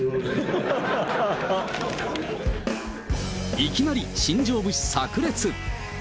いきなり新庄節さく裂。